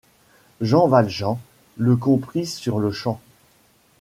Jean Valjean le comprit sur-le-champ.